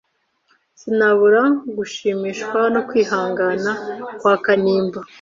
Sinabura gushimishwa no kwihangana kwa Kanimba.